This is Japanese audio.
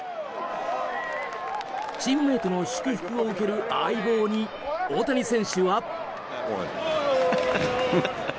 チームメートの祝福を受ける相棒に、大谷選手は。